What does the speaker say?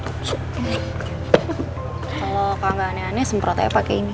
kalau kangga aneh aneh semprot aja pake ini